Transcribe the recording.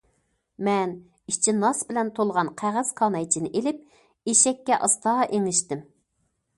مەن ئىچى ناس بىلەن تولغان قەغەز كانايچىنى ئېلىپ ئېشەككە ئاستا ئېڭىشتىم.